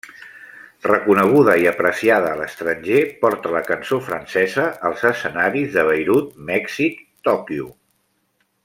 Reconeguda i apreciada a l'estranger porta la cançó francesa als escenaris de Beirut, Mèxic, Tòquio.